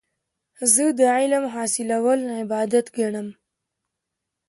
زه د علم حاصلول عبادت ګڼم.